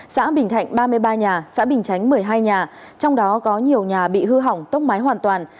xã bình thạnh ba mươi ba nhà xã bình chánh một mươi hai nhà trong đó có nhiều nhà bị hư hỏng tốc mái hoàn toàn